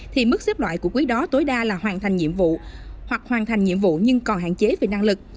thì mức xếp loại của quý đó tối đa là hoàn thành nhiệm vụ hoặc hoàn thành nhiệm vụ nhưng còn hạn chế về năng lực